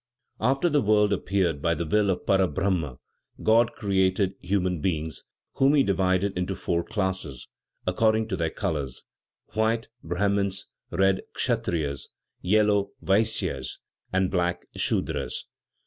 After the world appeared by the will of Para Brahma, God created human beings, whom he divided into four classes, according to their colors: white (Brahmins), red (Kshatriyas), yellow (Vaisyas), and black (Sudras).